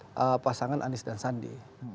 ini adalah pasangan anis dan sandi